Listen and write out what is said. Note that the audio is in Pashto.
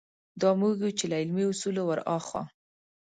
دا موږ یو چې له علمي اصولو وراخوا.